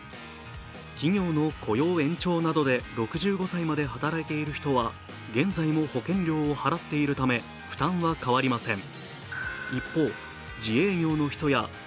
企業の雇用延長などで６５歳まで働いている人は現在も保険料を払っているため負担は変わりません。